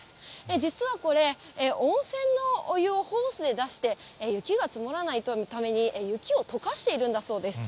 実はこれ、温泉のお湯をホースで出して、雪が積もらないために、雪をとかしているんだそうです。